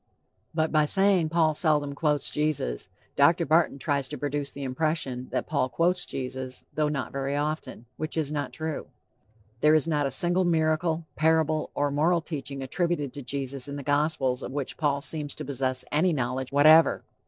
But by saying "Paul seldom quotes Jesus," Dr. Barton tries to produce the impression that Paul quotes Jesus, though not very often, which is not true. There is not a single miracle, parable or moral teaching attributed to Jesus in the Gospels of which Paul seems to possess any knowledge whatever.